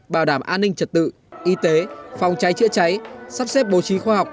bảo đảm an ninh trật tự y tế phòng cháy chữa cháy sắp xếp bố trí khoa học